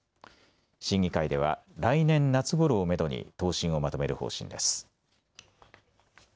審議会では来年夏ごろをめどに答申をまとめる方針です。